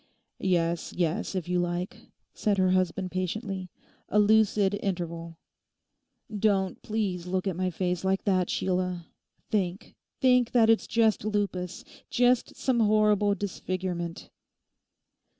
'Yes, yes, if you like,' said her husband patiently, '"a lucid interval." Don't please look at my face like that, Sheila. Think—think that it's just lupus, just some horrible disfigurement.